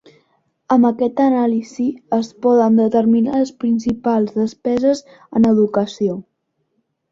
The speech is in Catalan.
Amb aquesta anàlisi es poden determinar les principals despeses en educació.